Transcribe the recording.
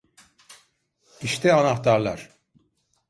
İşte anahtarlar.